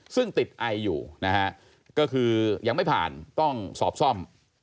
ซึ่งติดไออยู่นะฮะก็คือยังไม่ผ่านต้องสอบซ่อม